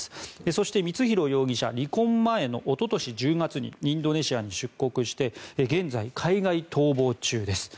そして、光弘容疑者離婚前のおととし１０月にインドネシアに出国して現在、海外逃亡中です。